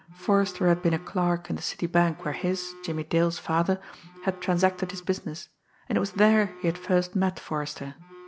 Forrester had been a clerk in the city bank where his, Jimmie Dale's, father had transacted his business, and it was there he had first met Forrester.